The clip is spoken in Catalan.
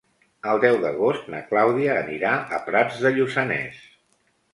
El deu d'agost na Clàudia anirà a Prats de Lluçanès.